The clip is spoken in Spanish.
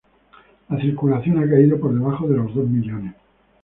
La circulación ha caído por debajo de los dos millones.